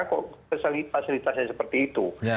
kok fasilitasnya seperti itu